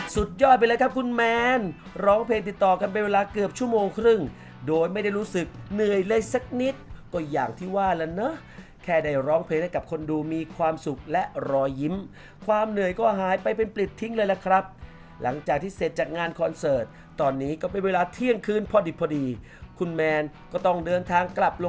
สุดยอดไปเลยครับคุณแมนร้องเพลงติดต่อกันเป็นเวลาเกือบชั่วโมงครึ่งโดยไม่ได้รู้สึกเหนื่อยเลยสักนิดก็อย่างที่ว่าแล้วเนอะแค่ได้ร้องเพลงให้กับคนดูมีความสุขและรอยยิ้มความเหนื่อยก็หายไปเป็นปลิดทิ้งเลยล่ะครับหลังจากที่เสร็จจัดงานคอนเสิร์ตตอนนี้ก็เป็นเวลาเที่ยงคืนพอดิบพอดีคุณแมนก็ต้องเดินทางกลับลง